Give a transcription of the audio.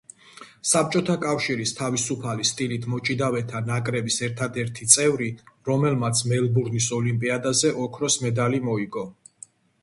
საბჭოთა კავშირის თავისუფალი სტილით მოჭიდავეთა ნაკრების ერთადერთი წევრი, რომელმაც მელბურნის ოლიმპიადაზე ოქროს მედალი მოიგო.